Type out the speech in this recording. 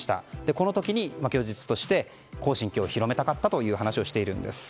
この時に供述として恒心教を広めたかったという話をしているんです。